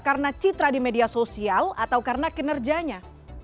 karena citra di media sosial atau karena kinerjanya